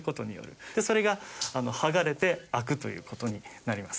それが剥がれて開くという事になります。